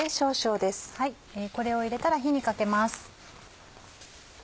これを入れたら火にかけます。